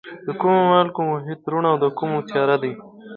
د کومو مالګو محیط روڼ او د کومو تیاره دی؟